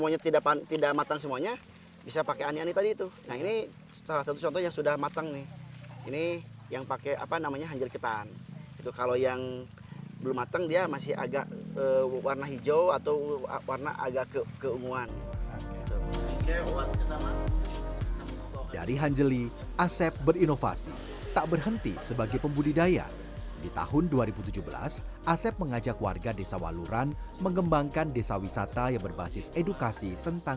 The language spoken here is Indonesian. yang pertama selain bisa dibuat sebagai makanan